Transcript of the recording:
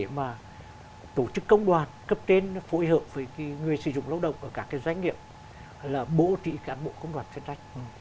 nhưng mà tổ chức công đoàn cấp trên phối hợp với người sử dụng lao động ở các cái doanh nghiệp là bổ trị cán bộ công đoàn chuyên trách